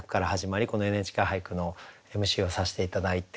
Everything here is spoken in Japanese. この「ＮＨＫ俳句」のＭＣをさせて頂いて。